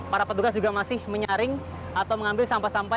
para petugas juga masih menyaring atau mengambil sampah sampah